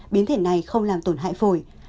biến thể này không làm tổn hại phổi